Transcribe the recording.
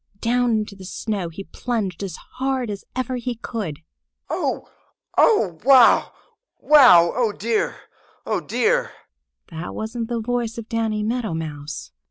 Down into the snow he plunged as hard as ever he could. "Oh! Oh! Wow! Wow! Oh, dear! Oh, dear!" That wasn't the voice of Danny Meadow Mouse.